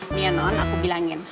nih ya non aku bilangin